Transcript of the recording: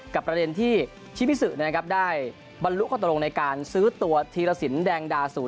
กับประเด็นที่ชิมิสุได้บรรลุขตรงในการซื้อตัวธีรสินแดงดาศูนย์